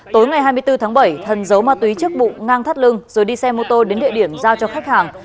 tối ngày hai mươi bốn tháng bảy thần giấu ma túy trước bụng ngang thắt lưng rồi đi xe mô tô đến địa điểm giao cho khách hàng